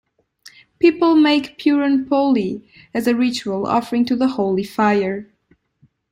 People make "puran poli" as a ritual offering to the holy fire.